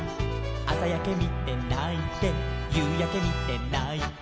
「あさやけみてないてゆうやけみてないて」